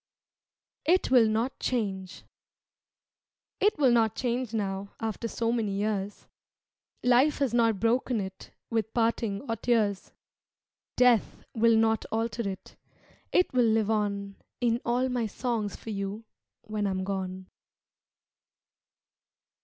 "It Will Not Change" It will not change now After so many years; Life has not broken it With parting or tears; Death will not alter it, It will live on In all my songs for you When I am gone.